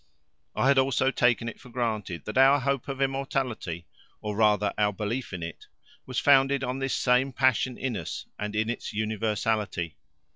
I had also taken it for granted that our hope of immortality, or rather our belief in it, was founded on this same passion in us and in its universality.